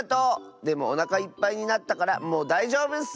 でもおなかいっぱいになったからもうだいじょうぶッス！